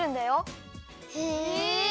へえ！